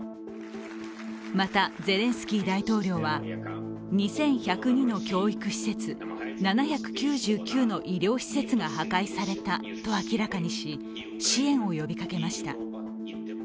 また、ゼレンスキー大統領は２１０２の教育施設、７９９の医療施設が破壊されたと明らかにし支援を呼びかけました。